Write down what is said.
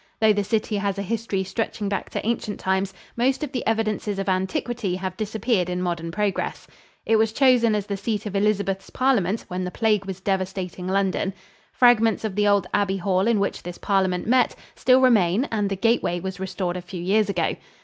Though the city has a history stretching back to ancient times, most of the evidences of antiquity have disappeared in modern progress. It was chosen as the seat of Elizabeth's parliament when the plague was devastating London. Fragments of the old abbey hall in which this parliament met still remain and the gateway was restored a few years ago.